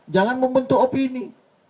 jangan membentuk opini